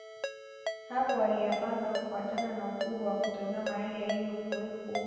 Hapo aliyapanga kufuatana na ukubwa na kutazama yale yaliyokuwepo